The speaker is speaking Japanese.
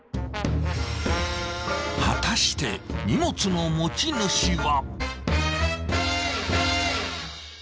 ［果たして荷物の持ち主は］